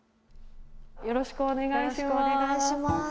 よろしくお願いします。